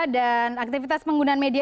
dan aktivitas penggunaan media